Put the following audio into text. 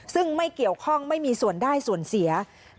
ซึ่งไม่เกี่ยวข้องไม่มีส่วนได้ส่วนเสีย